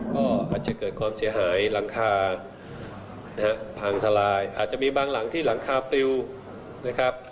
ก็อาจจะเกิดความเสียหายหลังคานะฮะพังทลายอาจจะมีบางหลังที่หลังคาปลิวนะครับ